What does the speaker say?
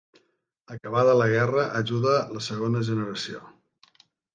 Acabada la guerra, ajuda la segona generació.